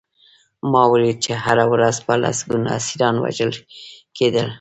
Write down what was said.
ما ولیدل چې هره ورځ به لسګونه اسیران وژل کېدل